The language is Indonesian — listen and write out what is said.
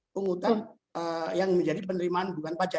pungutan yang menjadi penerimaan bukan pajak